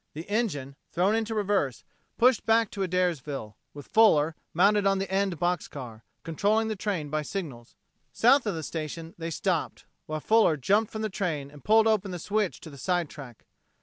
The engine, thrown into reverse, pushed back to Adairsville, with Fuller, mounted on the end box car, controlling the train by signals. South of the station they stopped, while Fuller jumped from the train and pulled open the switch to the side track.